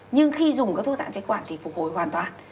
nhưng khi dùng các thuốc dãn phế quản thì phục hồi hoàn toàn